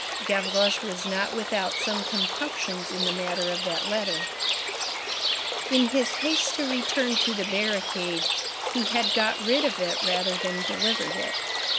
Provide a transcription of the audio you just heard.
Gavroche was not without some compunctions in the matter of that letter. In his haste to return to the barricade, he had got rid of it rather than delivered it.